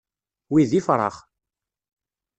Wi d ifṛax.